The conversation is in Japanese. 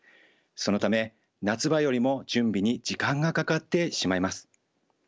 そのため夏場よりも準備に時間がかかってしまいます。